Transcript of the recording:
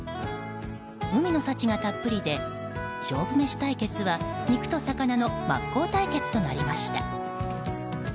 海の幸がたっぷりで勝負メシ対決は肉と魚の真っ向対決となりました。